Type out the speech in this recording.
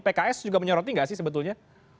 pks juga menyoroti nggak sih sebetulnya